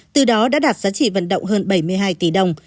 từ đó đã đạt giá trị vận động hơn bảy mươi hai tỷ đồng